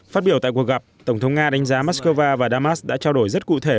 phát biểu tại cuộc gặp tổng thống nga đánh giá moscow và damas đã trao đổi rất cụ thể